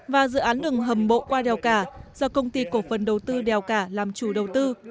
và dự án đường hầm bộ qua đèo cả do công ty cổ phần đầu tư đèo cả làm chủ đầu tư